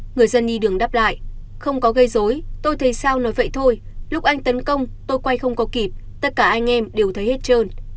người dân đi đường đáp lại không có gây dối tôi thấy sao nói vậy thôi lúc anh tấn công tôi quay không có kịp tất cả anh em đều thấy hết trơn